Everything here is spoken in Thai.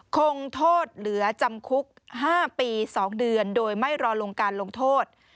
คงโทษเหลือจำคุก๕ปี๒เดือนโดยไม่รอลงการลงโทษ